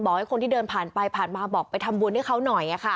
ให้คนที่เดินผ่านไปผ่านมาบอกไปทำบุญให้เขาหน่อย